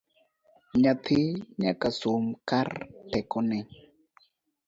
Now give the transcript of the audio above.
Nyathi nyaka som kar tekone